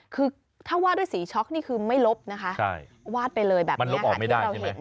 คือถ้าวาดด้วยสีช็อกนี่คือไม่ลบนะคะวาดไปเลยแบบนี้ค่ะที่เราเห็น